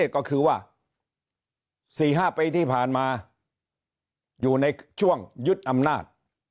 ก็คือว่า๔๕ปีที่ผ่านมาอยู่ในช่วงยึดอำนาจ